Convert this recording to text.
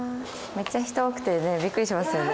めっちゃ人多くてねビックリしますよね。